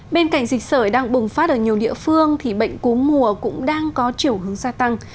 bên cạnh dịch sở đang bùng phát ở nhiều địa phương thì bệnh cú mùa cũng đang có chiều hướng gia tăng